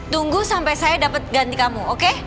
tunggu sampai saya dapat ganti kamu oke